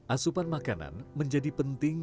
asupan makanan menjadi penting